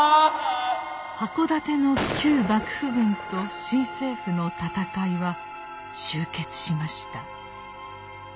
箱館の旧幕府軍と新政府の戦いは終結しました。